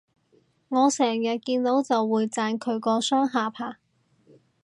我成日見到就會讚佢個雙下巴